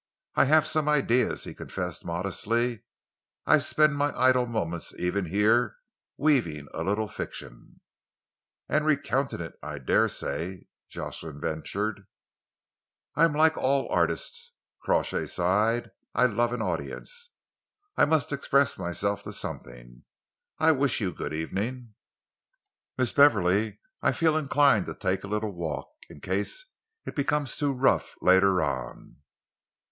"I have some ideas," he confessed modestly. "I spend my idle moments, even here, weaving a little fiction." "And recounting it, I dare say," Jocelyn ventured. "I am like all artists," Crawshay sighed. "I love an audience. I must express myself to something. I will wish you good evening, Miss Beverley. I feel inclined to take a little walk, in case it becomes too rough later on."